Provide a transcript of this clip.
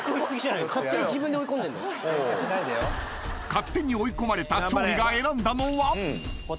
［勝手に追い込まれた勝利が選んだのは？］